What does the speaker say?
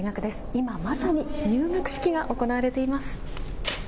今まさに入学式が行われています。